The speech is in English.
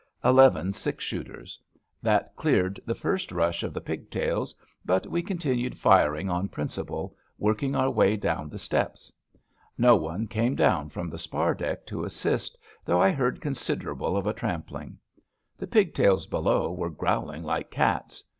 Eleven six shooters. That cleared the first rush of the pigtails, but we con tinued firing on principle, working our way down the steps. No one came down from the spar deck to assist, though I heard considerable of a tram pling. The pigtails below were growling like cats.